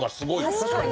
確かに。